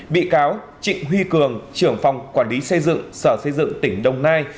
bị cáo trịnh huy cường trưởng phòng quản lý xây dựng sở xây dựng tỉnh đồng nai